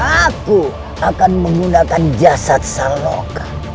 aku akan menggunakan jasad saloka